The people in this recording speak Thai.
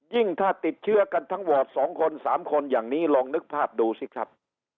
ยิ่งถ้าติดเชื้อกันทั้งวัดสองคนสามคนอย่างนี้ลองนึกภาพดูซิครับ